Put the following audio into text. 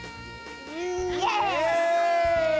イエイ！